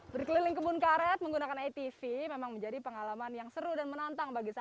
berkeliling kebun karet menggunakan atv memang menjadi pengalaman yang seru dan menantang bagi saya